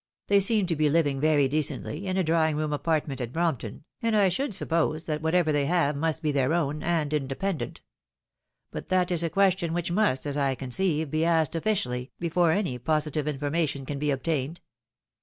They seem to be living very decently, in a drawing room apaa'tment at Brompton, and I should suppose that whatever they have must be their own, and independent. But that is a question which must, as I conceive, be asked ofiicially, before any positive information can be obtained.